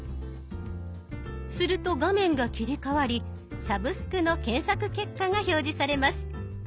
すると画面が切り替わり「サブスク」の検索結果が表示されます。